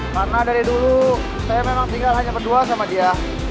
karena dari dulu saya memang tinggal hanya berdua sama dia